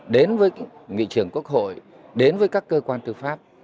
đến với nghị trưởng quốc hội đến với các cơ quan tư pháp